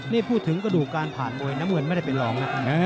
นี่พูดถึงกระดูกการผ่านมวยน้ำเงินไม่ได้เป็นรองนะ